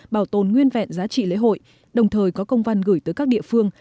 bảo tồn nguyên vẹn giá trị lễ hội đồng thời có công văn gửi tới các địa phương